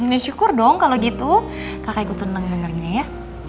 ya syukur dong kalau gitu kakak ikut seneng dengernya ya